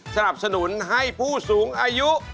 สนับสนุนให้ผู้สูงอายุ